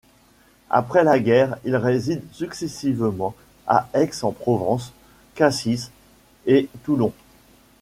Après la guerre, il réside successivement à Aix-en-Provence, Cassis et Toulon.